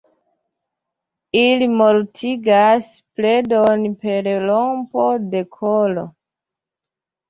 Ili mortigas predon per rompo de kolo.